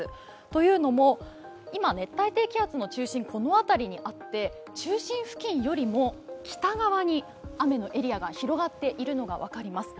というのも、今、熱帯低気圧の中心がこの辺りにあって中心付近よりも北側に雨のエリアが広がっているのが分かります。